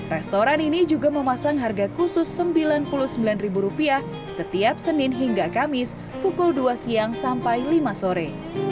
restoran ini juga memasang harga khusus rp sembilan puluh sembilan setiap senin hingga kamis pukul dua siang sampai lima sore